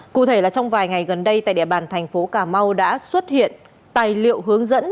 cụ thể là trong vài ngày gần đây tại địa bàn thành phố cà mau đã xuất hiện tài liệu hướng dẫn